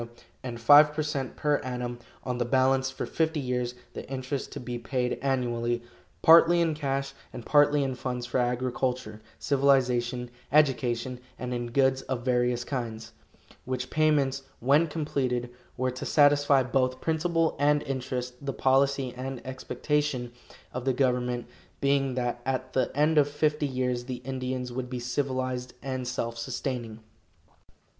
and five per cent per annum on the balance for fifty years, the interest to be paid annually, partly in cash and partly in funds for agriculture, civilization, education, and in goods of various kinds; which payments, when completed, were to satisfy both principal and interest, the policy and expectation of the government being that at the end of fifty years the Indians would be civilized and self sustaining.